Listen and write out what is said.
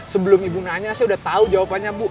sebelum ibu nanya saya sudah tahu jawabannya bu